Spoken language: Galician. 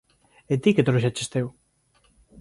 E ti que trouxeches teu?